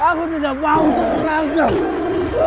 aku tidak mau terperangkap